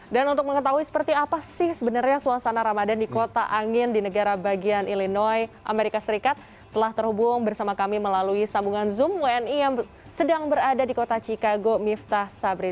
dan untuk mengetahui seperti apa sih sebenarnya suasana ramadan di kota angin di negara bagian illinois amerika serikat telah terhubung bersama kami melalui sambungan zoom wni yang sedang berada di kota chicago miftah sabri